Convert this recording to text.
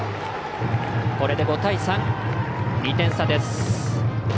これで５対３、２点差です。